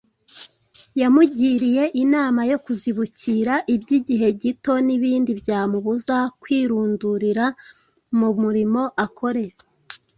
Yamugiriye inama yo kuzibukira iby’igihe gito n’ibindi byamubuza kwirundurira mu murimo akore